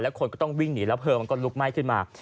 คนก็ต้องวิ่งหนีแล้วเพลิงมันก็ลุกไหม้ขึ้นมา